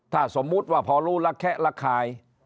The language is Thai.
ถ้าสมมุติว่าพอรู้ละแคะระคาย